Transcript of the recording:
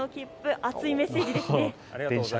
熱いメッセージですね。